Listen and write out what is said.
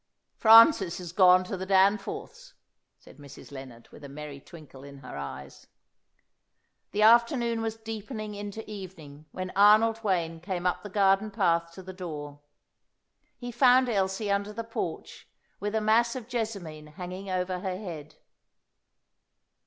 "Francis is gone to the Danforths'," said Mrs. Lennard, with a merry twinkle in her eyes. The afternoon was deepening into evening when Arnold Wayne came up the garden path to the door. He found Elsie under the porch, with a mass of jessamine hanging over her head.